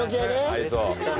合いそう。